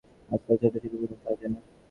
আজকালকার ছোট ছেলে পর্যন্ত তাহা জানে।